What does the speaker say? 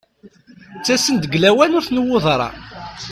Ttasent-d deg lawan ur tnewwuḍ ara.